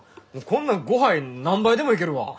こんなんごはん何杯でもいけるわ。